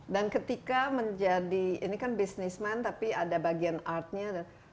dan ketika menjadi ini kan bisnismen tapi ada bagian art nya